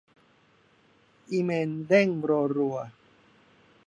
อีเมลเด้งรัวรัว